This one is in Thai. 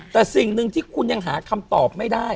แต่สิ่งหนึ่งที่คุณยังหาคำตอบไม่ได้